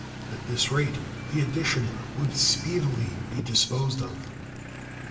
At this rate the edition would speedily be disposed of.